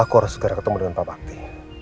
aku harus segera ketemu dengan pak bakti